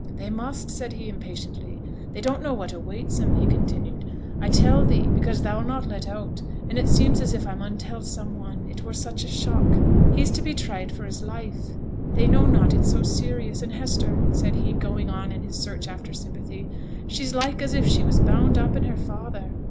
'They must,' said he, impatiently. 'They don't know what awaits 'em,' he continued. 'I'll tell thee, because thou 'll not let out, and it seems as if I mun tell some one it were such a shock he's to be tried for 's life. They know not it's so serious; and, Hester,' said he, going on in his search after sympathy, 'she's like as if she was bound up in her father.'